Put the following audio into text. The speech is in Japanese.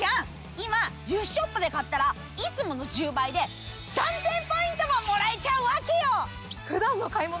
今１０ショップで買ったらいつもの１０倍で３，０００ポイントももらえちゃうわけよ！